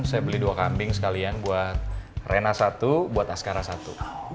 saya beli dua kambing sekalian buat rena satu buat askara satu